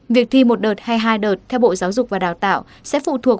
việc thi một đợt hay hai đợt theo bộ giáo dục và đào tạo sẽ phụ thuộc